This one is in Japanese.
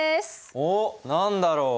おお何だろう？